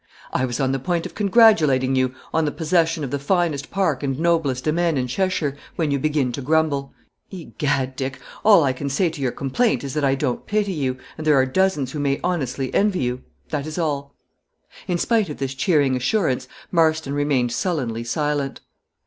"I was on the point of congratulating you on the possession of the finest park and noblest demesne in Cheshire, when you begin to grumble. Egad, Dick, all I can say to your complaint is, that I don't pity you, and there are dozens who may honestly envy you that is all." In spite of this cheering assurance, Marston remained sullenly silent.